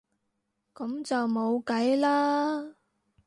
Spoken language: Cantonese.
噉就冇計啦